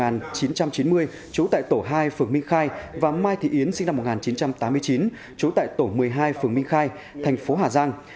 năm một nghìn chín trăm chín mươi trú tại tổ hai phường minh khai và mai thị yến sinh năm một nghìn chín trăm tám mươi chín trú tại tổ một mươi hai phường minh khai thành phố hà giang